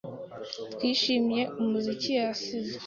Twishimiye umuziki yasize.